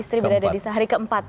istri berada di sana hari keempat ya